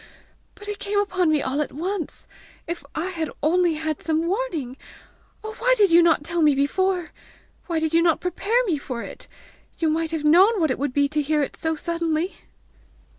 But it came upon me all at once! If I had only had some warning! Oh, why did you not tell me before? Why did you not prepare me for it? You might have known what it would be to hear it so suddenly!"